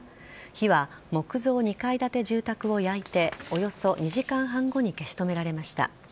火は木造２階建て住宅を焼いておよそ２時間半後に消し止められました。